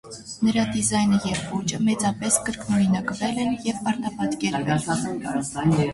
Նրա դիզայնը և ոճը մեծապես կրկնօրինակվել են և արտապատկերվել։